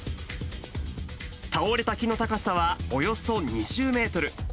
倒れた木の高さはおよそ２０メートル。